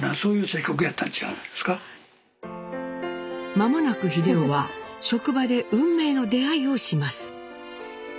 間もなく英夫は職場で運命の出会いをします。